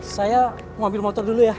saya mobil motor dulu ya